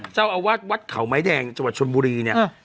เจ้าอาวาสวัดเขาไม้แดงจังหวัดชนบุรีเนี่ย